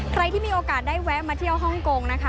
ใครที่มีโอกาสได้แวะมาเที่ยวฮ่องกงนะคะ